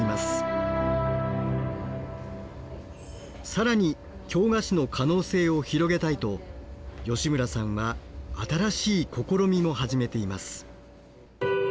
更に京菓子の可能性を広げたいと吉村さんは新しい試みも始めています。